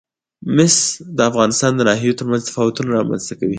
مس د افغانستان د ناحیو ترمنځ تفاوتونه رامنځ ته کوي.